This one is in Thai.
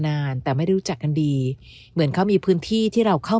นานแต่ไม่ได้รู้จักกันดีเหมือนเขามีพื้นที่ที่เราเข้า